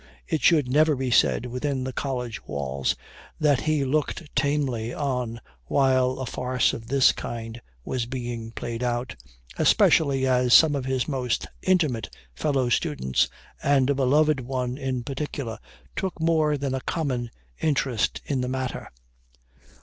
It should never be said within the college walls that he looked tamely on while a farce of this kind was being played out, especially as some of his most intimate fellow students, and a beloved one in particular, took more than a common interest in the matter.